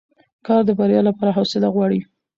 کار د بریا لپاره حوصله غواړي